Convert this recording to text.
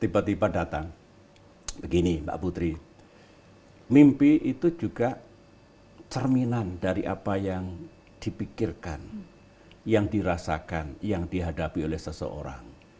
tiba tiba datang begini mbak putri mimpi itu juga cerminan dari apa yang dipikirkan yang dirasakan yang dihadapi oleh seseorang